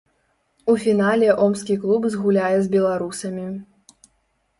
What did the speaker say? У фінале омскі клуб згуляе з беларусамі.